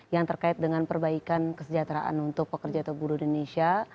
yang terkait dengan perbaikan kesejahteraan untuk pekerja atau buruh di indonesia